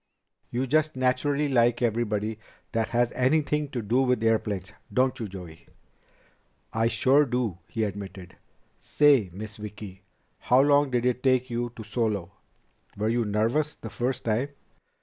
"You just naturally like everybody that has anything to do with airplanes, don't you, Joey?" "I sure do," he admitted. "Say, Miss Vicki, how long did it take you to solo? Were you nervous the first time?"